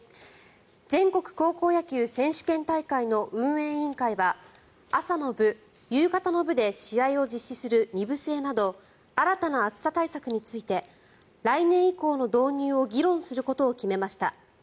全国高校野球選手権大会の運営委員会は朝の部、夕方の部で試合を実施する２部制など新たな暑さ対策について来年以降の導入を議論することを決めました。